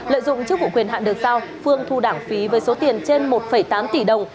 lợi dụng chức vụ quyền hạn được giao phương thu đảng phí với số tiền trên một tám tỷ đồng